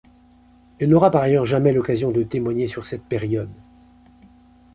Elle n'aura par ailleurs jamais l'occasion de témoigner sur cette période.